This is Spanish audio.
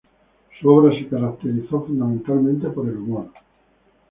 Su obra se caracterizó fundamentalmente por el humor.